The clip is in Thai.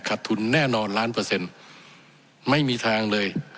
ทุนแน่นอนล้านเปอร์เซ็นต์ไม่มีทางเลย